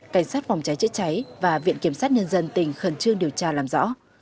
cảnh sát phòng cháy chữa cháy và viện kiểm sát nhân dân tỉnh khẩn trương điều tra làm rõ